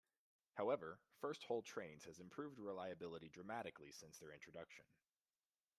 However, First Hull Trains has improved reliability dramatically since their introduction.